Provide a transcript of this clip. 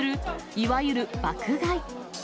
いわゆる爆買